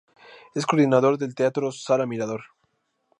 Es coordinador del teatro Sala Mirador.